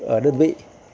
ở đơn vị